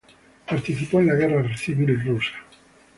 Participó en la Guerra Civil Rusa.